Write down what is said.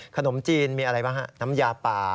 ขนมจีนมีอะไรบ้างฮะน้ำยาป่า